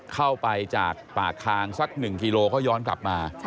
เข้าไปจากปากคางสักหนึ่งกิโลกรัมก็ย้อนกลับมา